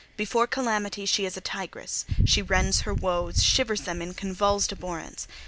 Before calamity she is a tigress; she rends her woes, shivers them in convulsed abhorrence.